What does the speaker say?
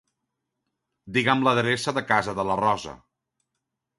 Digue'm l'adreça de casa de la Rosa.